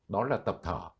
đó là tập thở